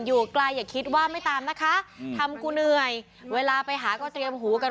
อยู่ไกลอย่าคิดว่าไม่ตามนะคะทำกูเหนื่อยเวลาไปหาก็เตรียมหูกัน